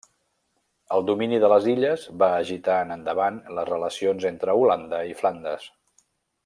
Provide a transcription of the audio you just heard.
El domini de les illes va agitar en endavant les relacions entre Holanda i Flandes.